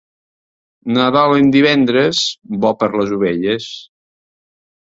Nadal en divendres, bo per les ovelles.